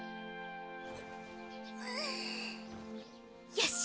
よし！